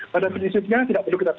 pada prinsipnya tidak perlu kita tahu